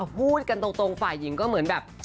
พูดกันตรงฝ่ายหญิงก็เหมือนแบบ